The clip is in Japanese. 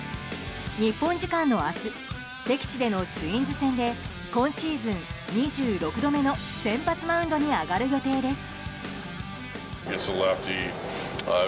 日本時間の明日敵地でのツインズ戦で今シーズン２６度目の先発マウンドに上がる予定です。